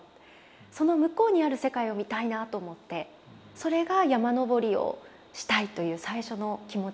その向こうにある世界を見たいなと思ってそれが山登りをしたいという最初の気持ちでしたね。